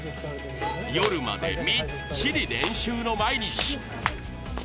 夜まで、みっちり練習の毎日。